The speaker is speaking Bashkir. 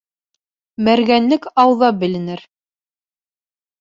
Мәргәнлек ауҙа беленер.